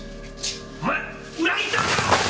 お前裏切ったんか！